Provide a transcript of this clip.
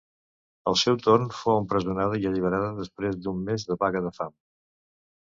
Al seu retorn fou empresonada i alliberada després d'un mes de vaga de fam.